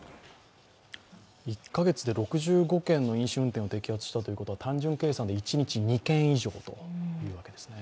１カ月で６５件の飲酒運転を摘発したということは単純計算で１日２件以上ということですね。